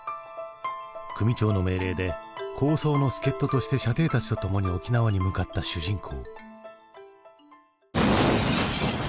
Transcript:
組長の命令で抗争の助っととして舎弟たちとともに沖縄に向かった主人公。